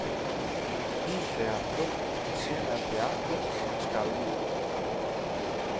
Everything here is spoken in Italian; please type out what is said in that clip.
Duse Teatro, insieme al Teatro allo Scalo di Roma.